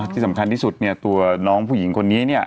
ที่สำคัญที่สุดเนี่ยตัวน้องผู้หญิงคนนี้เนี่ย